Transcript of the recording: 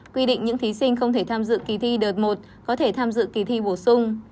quy định những thí sinh không thể tham dự kỳ thi đợt một có thể tham dự kỳ thi bổ sung